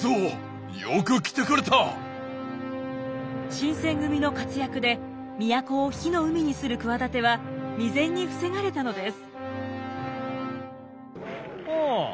新選組の活躍で都を火の海にする企ては未然に防がれたのです。